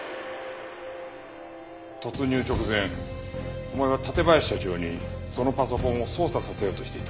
突入直前お前は館林社長にそのパソコンを操作させようとしていた。